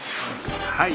はい。